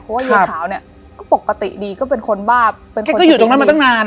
เพราะว่าเฮียขาวเนี่ยก็ปกติดีก็เป็นคนบ้าเป็นคนที่อยู่ตรงนั้นมาตั้งนาน